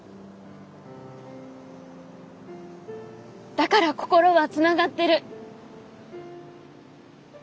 だから心はつながってる。